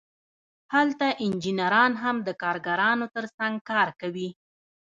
هلته انجینران هم د کارګرانو ترڅنګ کار کوي